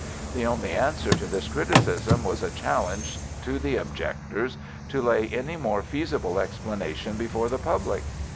The only answer to this criticism was a challenge to the objectors to lay any more feasible explanation before the public.